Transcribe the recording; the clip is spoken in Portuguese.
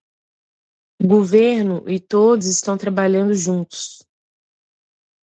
O governo e todos estão trabalhando juntos